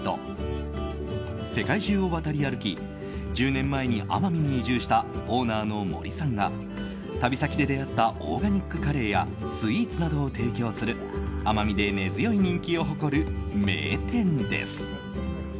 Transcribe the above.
世界中を渡り歩き１０年前に奄美に移住したオーナーの森さんが旅先で出会ったオーガニックカレーやスイーツなどを提供する奄美で根強い人気を誇る名店です。